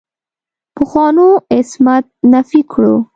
پخوانو عصمت نفي کړو.